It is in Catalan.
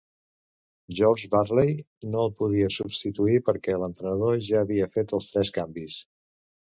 George Burley no el podia substituir perquè l'entrenador ja havia fet els tres canvis.